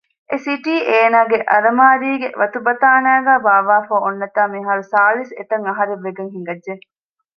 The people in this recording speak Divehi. އެ ސިޓީ އޭނާގެ އަލަމާރީގެ ވަތުބަތާނައިގައި ބާއްވާފައި އޮންނަތާ މިހާރު ސާޅިސް އެތައް އަހަރެއް ވެގެން ހިނގައްޖެ